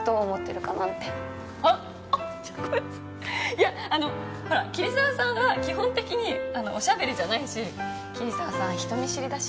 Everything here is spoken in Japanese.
いやあのほら桐沢さんは基本的にお喋りじゃないし桐沢さん人見知りだし。